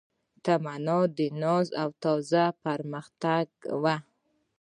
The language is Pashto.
تمنا د ناز او تاز و پرمختګ و